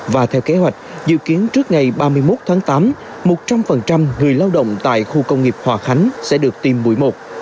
và theo kế hoạch dự kiến trước ngày ba mươi một tháng tám một trăm linh người lao động tại khu công nghiệp hòa khánh sẽ được tiêm buổi một